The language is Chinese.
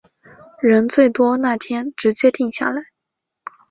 人最多那天直接定下来